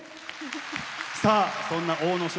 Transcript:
さあそんな阿武咲